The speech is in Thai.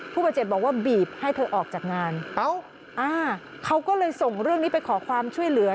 ผู้บาดเจ็บบอกว่าบีบให้เธอออกจากงานเขาก็เลยส่งเรื่องนี้ไปขอความช่วยเหลือ